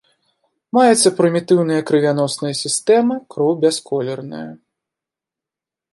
Маецца прымітыўная крывяносная сістэма, кроў бясколерная.